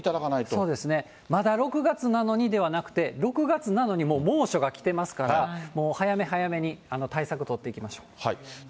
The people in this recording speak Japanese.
まだ６月なのにではなくて、６月なのにもう猛暑が来てますから、もう早め早めに対策取っていきましょう。